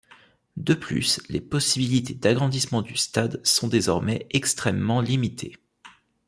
De plus, les possibilités d'agrandissement du stade sont désormais extrêmement limitées.